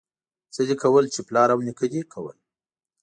څه دي کول، چې پلار او نيکه دي کول.